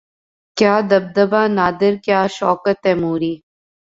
کیا دبدبۂ نادر کیا شوکت تیموری